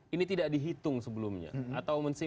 ini tidak dihitung sebelumnya atau